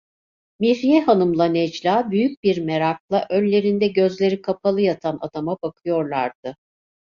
Mihriye hanımla Necla, büyük bir merakla, önlerinde gözleri kapalı yatan adama bakıyorlardı.